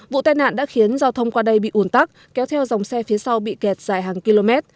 vụ tai nạn đã khiến giao thông qua đây bị ủn tắc kéo theo dòng xe phía sau bị kẹt dài hàng km